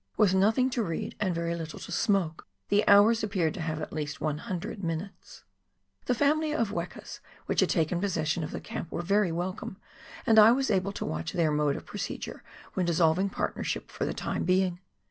With nothing to read and very little to smoke the hours ajDpeared to have at least one hundred minutes ! The family of wekas which had taken possession of the camp were very welcome, and I was able to watch their mode of procedure when dissolving partnership for the time being.